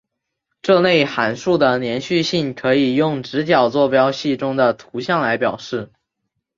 这类函数的连续性可以用直角坐标系中的图像来表示。